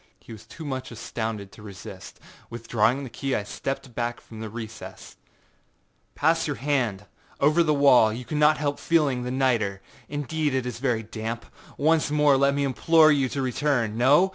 He was too much astounded to resist. Withdrawing the key I stepped back from the recess. âPass your hand,â I said, âover the wall; you cannot help feeling the nitre. Indeed it is very damp. Once more let me implore you to return. No?